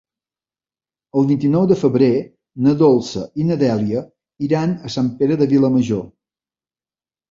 El vint-i-nou de febrer na Dolça i na Dèlia iran a Sant Pere de Vilamajor.